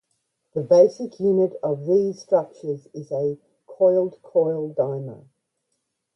The basic unit of these structures is a coiled-coil dimer.